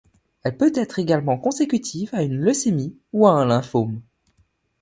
Elle peut être également consécutive à une leucémie ou à un lymphome.